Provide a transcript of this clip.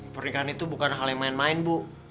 pernikahan itu bukan hal yang main main bu